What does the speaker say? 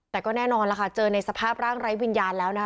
แต่ก็แน่นอนล่ะค่ะเจอในสภาพร่างไร้วิญญาณแล้วนะคะ